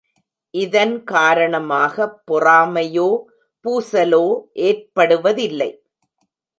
இதன் காரணமாகப் பொறாமையோ, பூசலோ ஏற்படுவதில்லை.